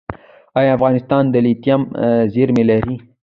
آیا افغانستان د لیتیم زیرمې لري؟